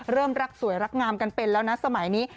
รักสวยรักงามกันเป็นแล้วนะสมัยนี้